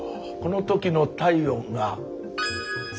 このときの体温が。